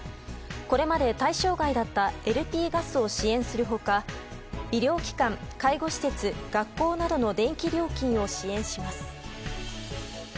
これまで対象外だったＬＰガスを支援する他医療機関、介護施設、学校などの電気料金を支援します。